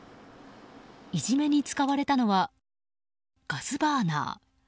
いじめに使われたのはガスバーナー。